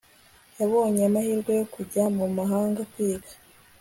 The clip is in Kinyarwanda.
yabonye amahirwe yo kujya mu mahanga kwiga